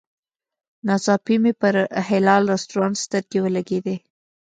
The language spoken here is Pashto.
ناڅاپي مې پر حلال رسټورانټ سترګې ولګېدې.